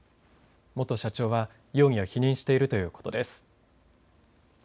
元社長は容疑を否認しているということです。